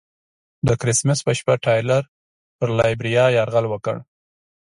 د کرسمس په شپه ټایلر پر لایبیریا یرغل وکړ.